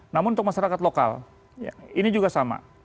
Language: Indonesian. namun untuk masyarakat lokal ini juga sama